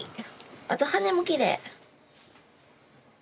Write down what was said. あと羽もきれい。